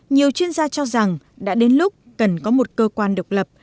nhiều chuyên gia cho rằng đã đến lúc cần có một cơ quan độc lập